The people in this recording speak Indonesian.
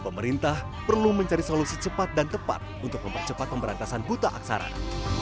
pemerintah perlu mencari solusi cepat dan tepat untuk mempercepat pemberantasan buta aksara